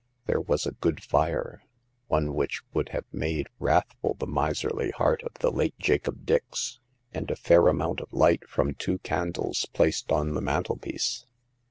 There was a good fire — one which would have made wrathful the miserly heart of the late Jacob Dix — and a fair amount of light from two candles placed on the mantelpiece.